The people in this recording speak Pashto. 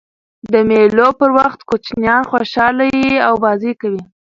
د مېلو په وخت کوچنيان خوشحاله يي او بازۍ کوي.